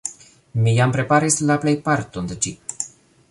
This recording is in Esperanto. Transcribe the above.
Mi jam preparis la plejparton de ĝi.